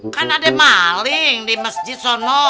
kan ada maling di masjid sono